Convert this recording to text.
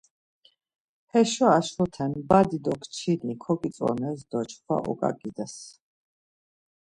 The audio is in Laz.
Heşo heşote badi do biç̌i koǩitsones do çkva oǩaǩides.